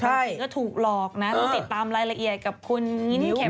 ใช่ก็ถูกหลอกนะ